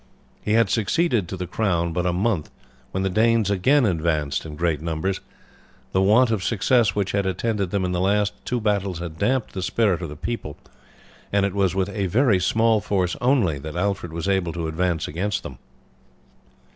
He had succeeded to the crown but a month when the Danes again advanced in great numbers. The want of success which had attended them in the last two battles had damped the spirit of the people, and it was with a very small force only that Alfred was able to advance against them.